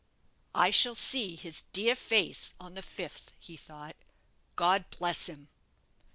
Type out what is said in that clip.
"I shall see his dear face on the fifth," he thought; "God bless him!"